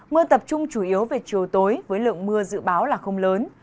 mưa tập trung chủ yếu về chiều tối với lượng mưa dự báo là không lớn